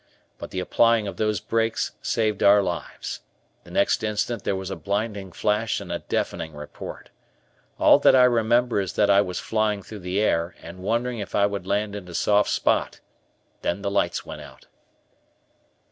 But the applying of those brakes saved our lives. The next instant there was a blinding flash and a deafening report. All that I remember is that I was flying through the air, and wondering if I would land in a soft spot. Then the lights went out.